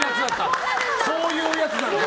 そういうやつなんだ。